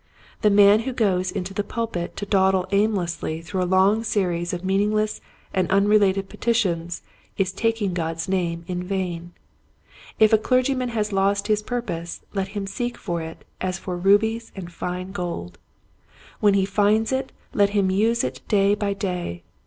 The man who goes into the pulpit to dawdle aimlessly through a long series of meaningless and unrelated petitions is taking God's name in vain. If a clergyman has lost his purpose let him seek for it as for rubies and fine gold. When he finds it let him use it day by day.